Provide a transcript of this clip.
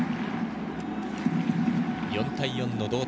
４対４の同点。